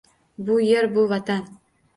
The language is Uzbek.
Bu yer – bu Vatan.